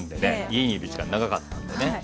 家にいる時間長かったんでね。